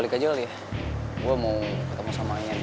gue juga di traktir kan